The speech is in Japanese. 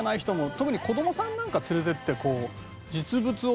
特に子どもさんなんか連れていって。